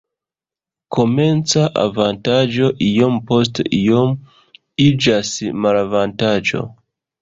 Komenca avantaĝo iom post iom iĝas malavantaĝo.